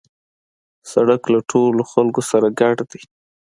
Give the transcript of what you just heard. سړک له ټولو خلکو سره ګډ دی.